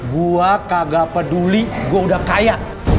gue kagak peduli gue udah kaya